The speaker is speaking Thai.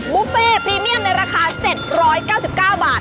บุฟเฟ่พรีเมียมในราคา๗๙๙บาท